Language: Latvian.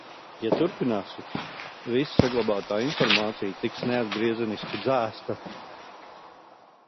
Ja turpināsit, visa saglabātā informācija tiks neatgriezeniski dzēsta.